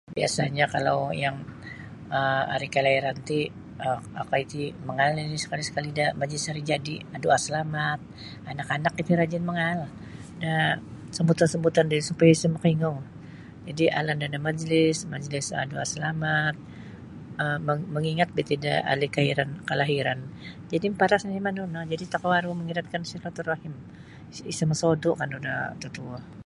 Biasa'nyo kalau yang um ari kalairan ti okoi ti mangaal nini' sakali-sakali' da majlis hari jadi' doa salamat anak-anak iti rajin mangaal da sambutan-sambutan ti supaya isa' makaingou jadi alan do da majlis majlis um doa salamat um mangingat bah iti da ari' kalairan kalahiran jadi maparas nini' manu no jadi' tokou aru mangiratkan silaturahim isa mosodu' kandu da mututo.